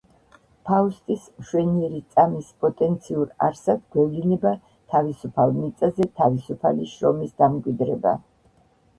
ფაუსტის „მშვენიერი წამის“ პოტენციურ არსად გვევლინება „თავისუფალ მიწაზე თავისუფალი შრომის“ დამკვიდრება.